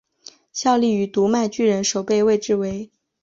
效力于读卖巨人守备位置为。